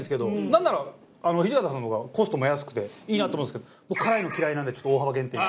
なんなら土方さんの方がコストも安くていいなと思うんですけど僕辛いの嫌いなんで大幅減点に。